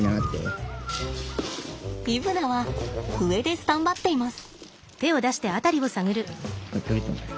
イブナは上でスタンバっています。